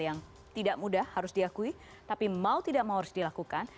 nah itu aman